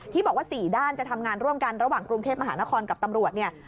บอกว่า๔ด้านจะทำงานร่วมกันระหว่างกรุงเทพมหานครกับตำรวจเนี่ย